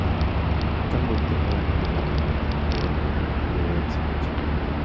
Actualmente juega como guardameta en Everton de la Primera División de Chile.